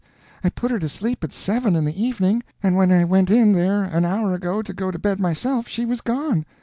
I put her to sleep at seven in the evening, and when I went in there an hour ago to go to bed myself, she was gone.